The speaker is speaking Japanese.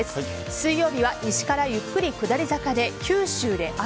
水曜日は西からゆっくり下り坂で九州で雨。